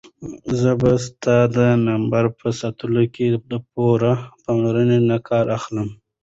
زه به ستا د نمبر په ساتلو کې د پوره پاملرنې نه کار اخلم.